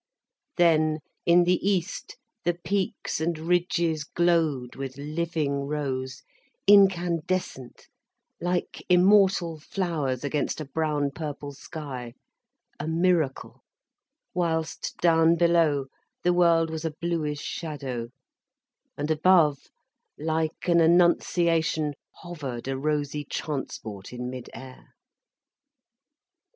Then in the east the peaks and ridges glowed with living rose, incandescent like immortal flowers against a brown purple sky, a miracle, whilst down below the world was a bluish shadow, and above, like an annunciation, hovered a rosy transport in mid air.